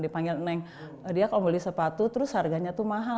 dia kalau beli sepatu terus harganya tuh mahal